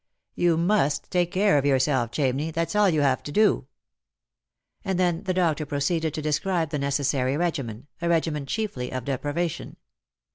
You must take care of yourself, Cham ney, that's all you have to do." And then the doctor proceeded to describe the necessary regimen, a regimen chiefly of deprivation.